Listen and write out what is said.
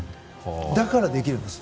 だからできるんです。